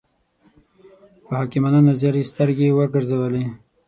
په حکیمانه نظر یې سترګې وګرځولې.